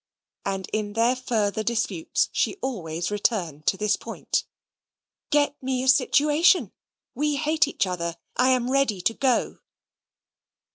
And in their further disputes she always returned to this point, "Get me a situation we hate each other, and I am ready to go."